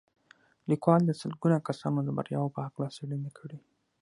لیکوال د سلګونه کسانو د بریاوو په هکله څېړنې کړي